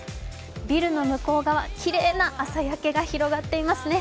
ビルの向こう側、きれいな朝焼けが広がっていますね。